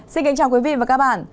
xin kính chào quý vị và các bạn